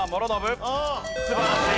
素晴らしい。